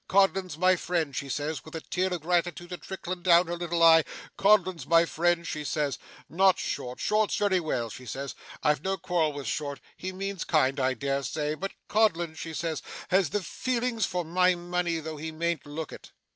"Codlin's my friend," she says, with a tear of gratitude a trickling down her little eye; "Codlin's my friend," she says "not Short. Short's very well," she says; "I've no quarrel with Short; he means kind, I dare say; but Codlin," she says, "has the feelings for my money, though he mayn't look it."